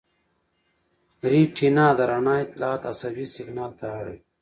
ریټینا د رڼا اطلاعات عصبي سېګنال ته اړوي.